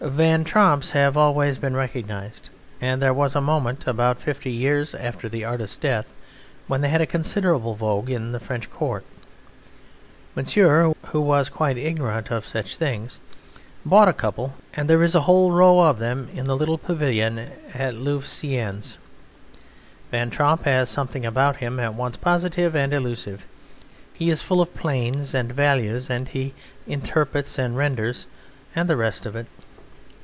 Van Tromps have always been recognized, and there was a moment about fifty years after the artist's death when they had a considerable vogue in the French Court. Monsieur, who was quite ignorant of such things, bought a couple, and there is a whole row of them in the little pavilion at Louveciennes. Van Tromp has something about him at once positive and elusive; he is full of planes and values, and he interprets and renders, and the rest of it.